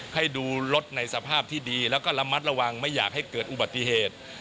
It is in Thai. ให้ดูรถในสภาพที่ดีแล้วก็ระมัดระวังไม่อยากให้เกิดอุบัติเหตุ